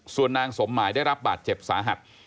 ส่วนนางสมหมายได้รับบาดเจ็บสาหัส